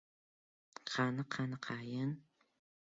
— Qani, qaniqayin?..